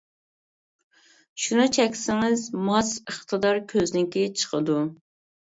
شۇنى چەكسىڭىز ماس ئىقتىدار كۆزنىكى چىقىدۇ.